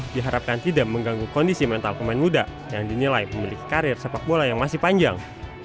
diharapkan tidak mengganggu kondisi mental pemain muda yang dinilai memiliki karir sepak bola yang masih panjang